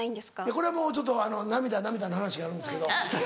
これはもうちょっと涙涙の話があるんですけど。